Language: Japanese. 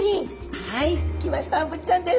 はい来ましたブリちゃんです。